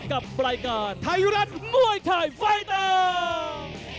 กับรายการไทยรัฐมวยไทยไฟแดง